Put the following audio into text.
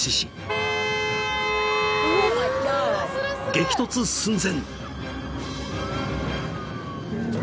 ［激突寸前］